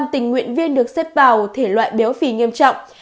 một chín trăm tám mươi năm tình nguyện viên được xếp vào thể loại béo phi nghiêm trọng